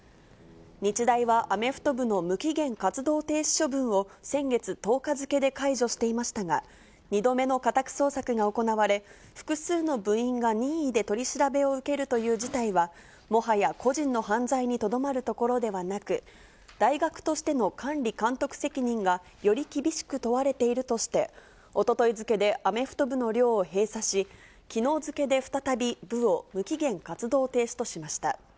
日大はアメフト部の無期限活動停止処分を、先月１０日付で解除していましたが、２度目の家宅捜索が行われ、複数の部員が任意で取り調べを受けるという事態は、もはや個人の犯罪にとどまるところではなく、大学としての管理監督責任がより厳しく問われているとして、おととい付けでアメフト部の寮を閉鎖し、きのう付けで再び部を無期限活動停止としました。